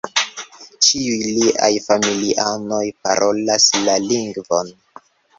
Ĉiuj liaj familianoj parolas la lingvon.